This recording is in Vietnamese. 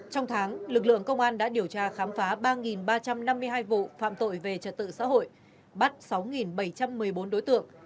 trong tháng lực lượng công an đã điều tra khám phá ba ba trăm năm mươi hai vụ phạm tội về trật tự xã hội bắt sáu bảy trăm một mươi bốn đối tượng